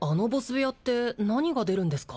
部屋って何が出るんですか？